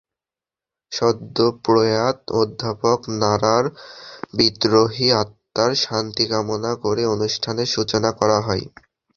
সদ্যপ্রয়াত অধ্যাপক নারার বিদেহী আত্মার শান্তি কামনা করে অনুষ্ঠানের সূচনা করা হয়।